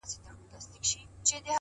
د زړه نرمي لوی قوت لري’